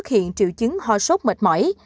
học hiện triệu chứng ho sốt mệt mỏi